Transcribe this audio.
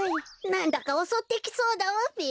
なんだかおそってきそうだわべ。